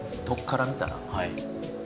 どっから見たら？